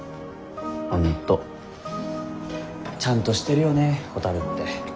本当ちゃんとしてるよねほたるって。